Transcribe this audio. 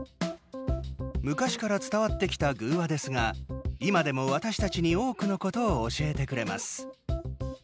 昔から伝わってきた寓話ですが今でも私たちに多くのことを教えてくれます。